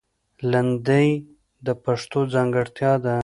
لندۍ د پښتو ځانګړتیا ده